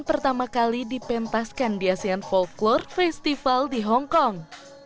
pertama kali dipentaskan di asean folklore festival di hong kong